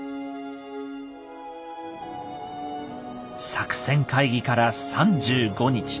作戦会議から３５日。